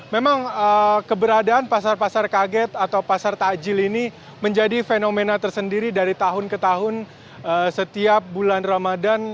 memang keberadaan pasar pasar kaget atau pasar takjil ini menjadi fenomena tersendiri dari tahun ke tahun setiap bulan ramadan